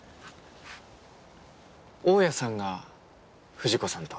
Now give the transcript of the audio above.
大家さんが「藤子さん」と。